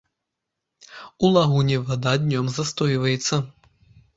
У лагуне вада днём застойваецца.